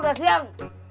min bangun siang